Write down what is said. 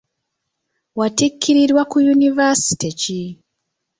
Watikkirirwa ku Yunivasite ki ?